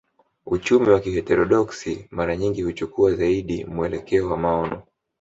Uchumi wa kiheterodoksi mara nyingi huchukua zaidi mwelekeo wa maono